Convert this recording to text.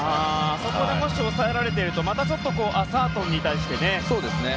あそこでもし抑えられているとアサートンに対してね。